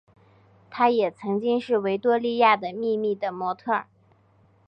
她也曾经是维多利亚的秘密的模特儿。